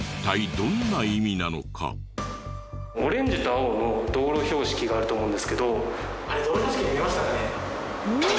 オレンジと青の道路標識があると思うんですけど。